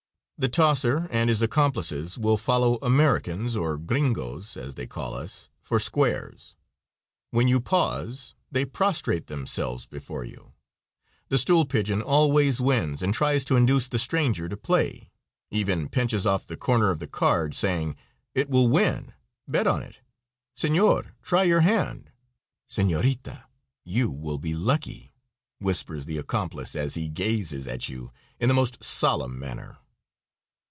The "tosser" and his accomplices will follow Americans, or "greenoes," as they call us, for squares. When you pause they prostrate themselves before you; the stool pigeon always wins and tries to induce the stranger to play even pinches off the corner of the card, saying "It will win; bet on it;" "Senor, try your hand." "Senorita, you will be lucky," whispers the accomplice as he gazes at you in the most solemn manner.